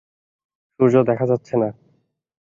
সূর্য দেখা যাচ্ছে না।